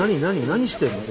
何してんの？